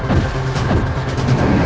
aku akan menang